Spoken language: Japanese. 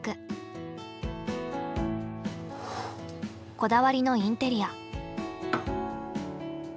こだわりのインテリア。